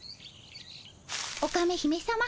オカメ姫さま。